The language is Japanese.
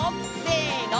せの！